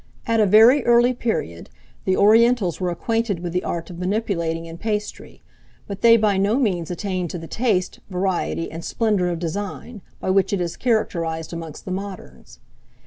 At a very early period, the Orientals were acquainted with the art of manipulating in pastry; but they by no means attained to the taste, variety, and splendour of design, by which it is characterized amongst the moderns.